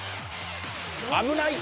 「危ない！